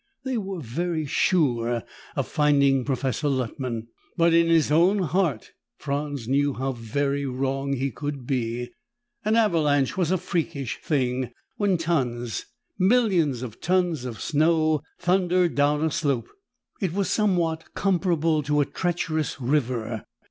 They were very sure of finding Professor Luttman. But in his own heart, Franz knew how very wrong he could be. An avalanche was a freakish thing. When tons, and millions of tons, of snow thundered down a slope, it was somewhat comparable to a treacherous river.